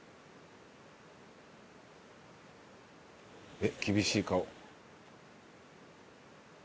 えっ厳しい顔。